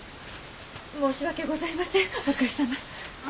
申し訳ございませんお義母様。